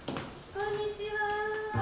こんにちは！